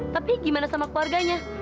tapi gimana sama keluarganya